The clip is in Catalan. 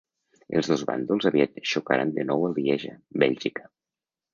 Els dos bàndols aviat xocaran de nou a Lieja, Bèlgica.